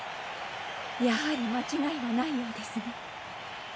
やはり間違いはないようですね。